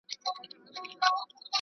ارمان کاکا باغ ته په ځير وکتل.